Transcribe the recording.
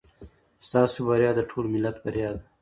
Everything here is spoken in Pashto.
ستاسو بریا د ټول ملت بریا ده.